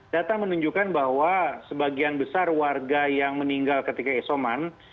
data menunjukkan bahwa sebagian besar warga yang meninggal ketika isoman